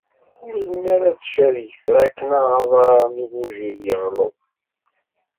Kul mi ara tcerreg tṛakna aḍar n ugujil yeɣleḍ.